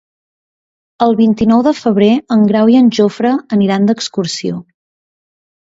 El vint-i-nou de febrer en Grau i en Jofre aniran d'excursió.